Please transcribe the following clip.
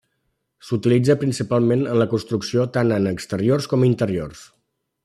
S'utilitza principalment en la construcció tant en exteriors com interiors.